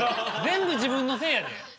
全部自分のせいやで。